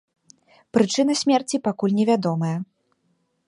Прычына смерці пакуль невядомая.